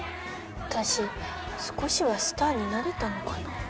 私少しはスターになれたのかな。